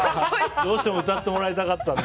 どうしても歌ってもらいたかったんで。